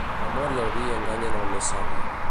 L'amor i el vi enganyen el més savi.